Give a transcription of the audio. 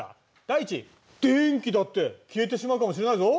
第一電気だって消えてしまうかもしれないぞ。